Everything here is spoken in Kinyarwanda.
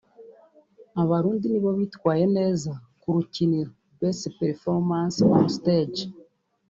Abarundi nibo bitwaye neza kurukiniro (Best performance on stage)